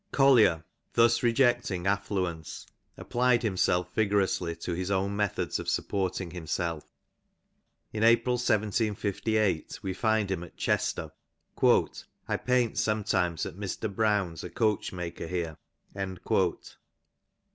Collier thus rejecting affluence, applied himself vigorously to his own methods of supporting himself. In April 1758 we find him at Chester. " I paint sometimes at Mr. Brown's a coachmaker here" (W.^ p. 292).